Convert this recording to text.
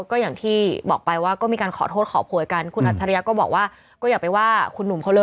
ก็อย่างที่บอกไปว่าก็มีการขอโทษขอโพยกันคุณอัจฉริยะก็บอกว่าก็อย่าไปว่าคุณหนุ่มเขาเล